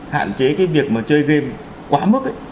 hạn chế cái việc mà chơi game quá mức